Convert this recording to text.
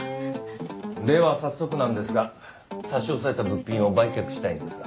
では早速なんですが差し押さえた物品を売却したいんですが。